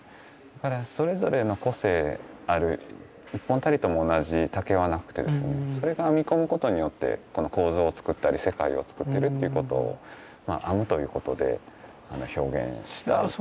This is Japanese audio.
だからそれぞれの個性ある一本たりとも同じ竹はなくてですねそれが編み込むことによってこの構造をつくったり世界をつくってるっていうことを編むということで表現していると。